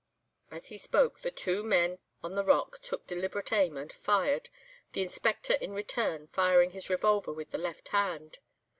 "As he spoke, the two men on the rock took deliberate aim and fired, the Inspector in return firing his revolver with the left hand.